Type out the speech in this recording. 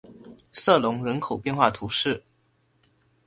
瑟隆人口变化图示